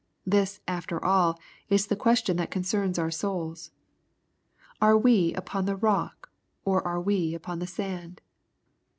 This, after all, is the question that concerns our souls. — Are we upon the rock, or are we upon the sand